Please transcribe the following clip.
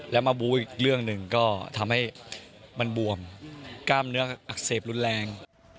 แล้วมาบู้อีกเรื่องหนึ่งก็ทำให้มันบวมกล้ามเนื้ออักเสบรุนแรง